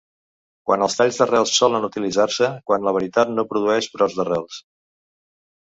Quant als talls d'arrels, solen utilitzar-se quan la varietat no produeix brots d'arrels.